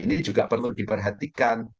ini juga perlu diperhatikan